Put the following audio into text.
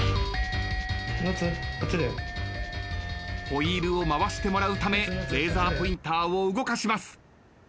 ホイールを回してもらうためレーザーポインターを動かします。